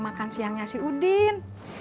makan siangnya si udin